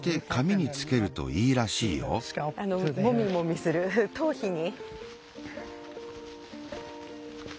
もみもみする頭皮に。